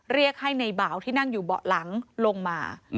เรียกให้ในบ่าวที่นั่งอยู่เบาะหลังลงมา